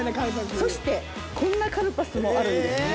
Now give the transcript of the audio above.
そしてこんなカルパスもあるんです。